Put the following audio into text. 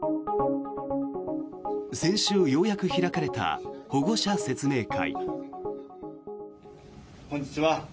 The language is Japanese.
先週ようやく開かれた保護者説明会。